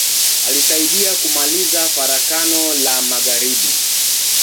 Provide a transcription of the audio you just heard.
Alisaidia kumaliza Farakano la magharibi.